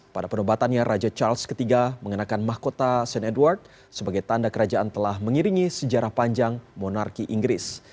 pada penobatannya raja charles iii mengenakan mahkota st edward sebagai tanda kerajaan telah mengiringi sejarah panjang monarki inggris